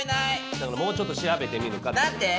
だからもうちょっと調べてみるかって。なんて？